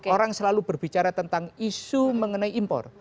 orang selalu berbicara tentang isu mengenai impor